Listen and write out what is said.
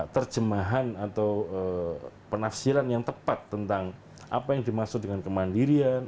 terjemahan atau penafsiran yang tepat tentang apa yang dimaksud dengan kemandirian